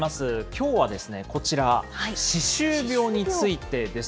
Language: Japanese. きょうはこちら、歯周病についてです。